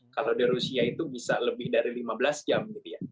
kalau di rusia itu bisa lebih dari lima belas jam gitu ya